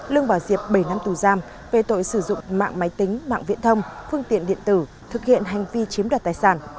lương bảo diệp bảy năm tù giam về tội sử dụng mạng máy tính mạng viễn thông phương tiện điện tử thực hiện hành vi chiếm đoạt tài sản